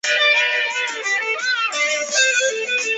北约国家生产的反舰导弹一般采用涡轮发动机。